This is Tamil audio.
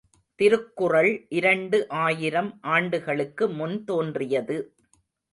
திருக்குறள் இரண்டு ஆயிரம் ஆண்டுகளுக்கு முன் தோன்றியது.